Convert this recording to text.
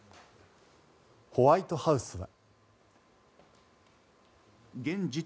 ホワイトハウスは。